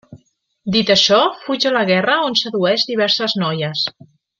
Dit això, fuig a la guerra, on sedueix diverses noies.